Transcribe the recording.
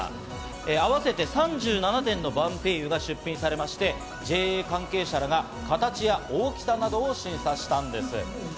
合わせて３７点のバンペイユが出品され、ＪＡ関係者らが形や大きさなどを審査したんです。